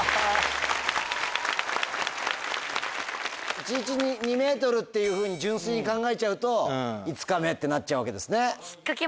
１日２ｍっていうふうに純粋に考えちゃうと５日目ってなっちゃうわけですね。